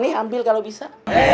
nih ambil kalau bisa